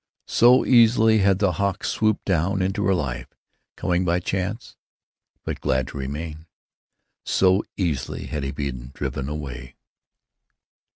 So easily had the Hawk swooped down into her life, coming by chance, but glad to remain. So easily had he been driven away.